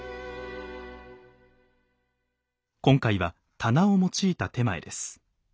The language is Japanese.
今回は棚を用いた点前です。